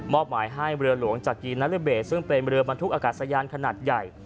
หมายให้เรือหลวงจากกีนาริเบสซึ่งเป็นเรือบรรทุกอากาศยานขนาดใหญ่